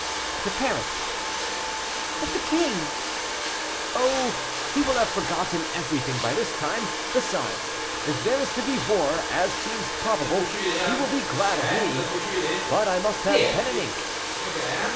"To Paris." "But the king?" "Oh! he will have forgotten everything by this time; besides, if there is to be war, as seems probable, he will be glad of me. But I must have pen and ink."